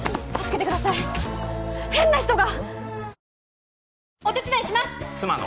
変な人が！